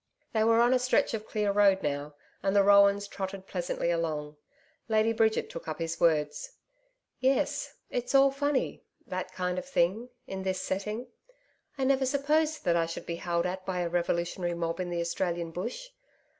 They were on a stretch of clear road now, and the roans trotted pleasantly along. Lady Bridget took up his words. 'Yes, it's all funny that kind of thing in this setting.... I never supposed that I should be howled at by a revolutionary mob in the Australian Bush....